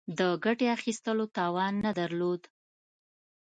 د ګټې اخیستلو توان نه درلود.